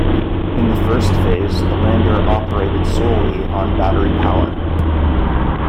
In the first phase, the lander operated solely on battery power.